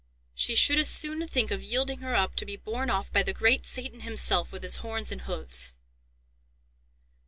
She should as soon think of yielding her up to be borne off by the great Satan himself with his horns and hoofs."